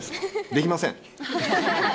できません。